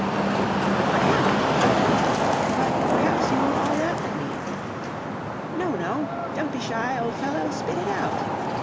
"I have it!" cried he; "but perhaps you will all laugh at me?" "No, no, don't be shy, old fellow; spit it out!"